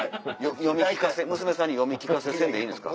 読み聞かせ娘さんに読み聞かせせんでいいんですか？